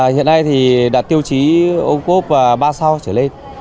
hiện nay thì đã tiêu chuẩn